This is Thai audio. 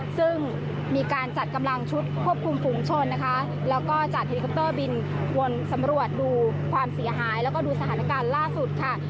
ซึ่งมีการจัดกำลังชุดควบคุมฝุ่งชนและจัดอิเล็กทรอนิกส์บินวนสำรวจดูความเสียหายและดูสถานการณ์ล่าสุดค่ะ